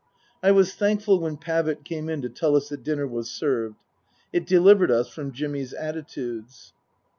I was thankful when Pavitt came in to tell us that dinner was served. It delivered us from Jimmy's attitudes.